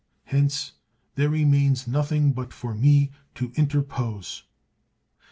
Hence there remains nothing but for me to interpose."